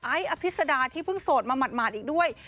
อภิษดาที่เพิ่งโสดมาหมาดอีกด้วย